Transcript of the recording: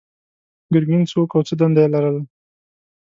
ګرګین څوک و او څه دنده یې لرله؟